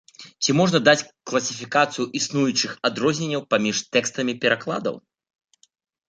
Ці можна даць класіфікацыю існуючых адрозненняў паміж тэкстамі перакладаў?